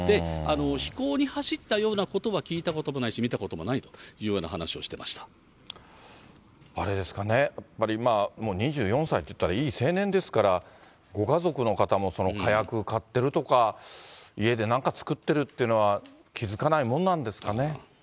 非行に走ったようなことは聞いたこともないし、見たこともないとあれですかね、もう２４歳っていったらいい青年ですから、ご家族の方も、火薬買ってるとか、家でなんか作っているっていうのは気付かないもんなんですかね。